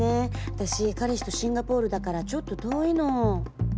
私彼氏とシンガポールだからちょっと遠いの」。